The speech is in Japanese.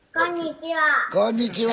こんにちは！